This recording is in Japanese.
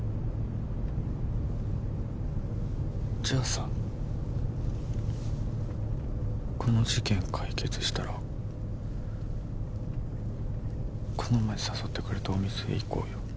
じゃあさこの事件解決したらこの前誘ってくれたお店行こうよ。